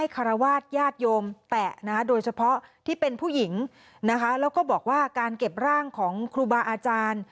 ก็บอกว่าการเก็บร่างของครูบาอาจารย์